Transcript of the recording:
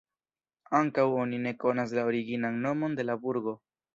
Ankaŭ oni ne konas la originan nomon de la burgo.